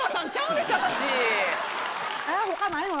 他ないの？